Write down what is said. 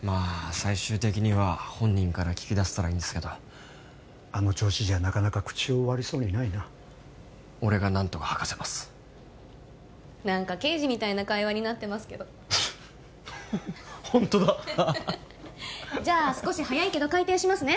最終的には本人から聞き出せたらいいんですけどあの調子じゃなかなか口を割りそうにないな俺が何とか吐かせますなんか刑事みたいな会話になってますけどホントだじゃあ少し早いけど開店しますね